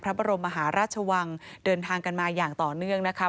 พระบรมมหาราชวังเดินทางกันมาอย่างต่อเนื่องนะคะ